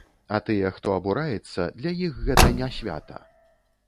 А тыя, хто абураецца, для іх гэта не свята.